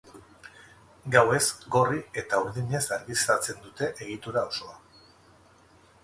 Gauez gorri eta urdinez argiztatzen dute egitura osoa.